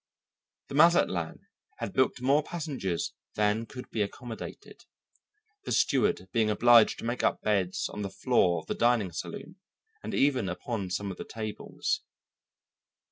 The Mazatlan had booked more passengers than could be accommodated, the steward being obliged to make up beds on the floor of the dining saloon and even upon some of the tables.